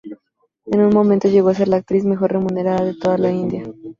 En un momento llegó a ser la actriz mejor remunerada en toda la India.